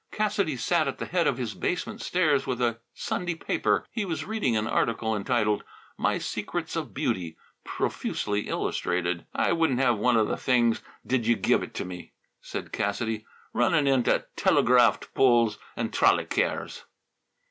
Cassidy sat at the head of his basement stairs with a Sunday paper. He was reading an article entitled, "My Secrets of Beauty," profusely illustrated. "I wouldn't have one o' the things did ye give it t' me," said Cassidy. "Runnin' inta telegrapht poles an' trolley cairs."